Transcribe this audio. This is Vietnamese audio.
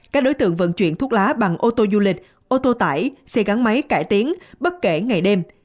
các đối tượng vận chuyển thuốc lá bằng ô tô du lịch ô tô tải xe gắn máy cải tiến bất kể ngày đêm